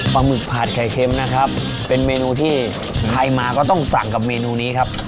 หมึกผัดไข่เค็มนะครับเป็นเมนูที่ใครมาก็ต้องสั่งกับเมนูนี้ครับ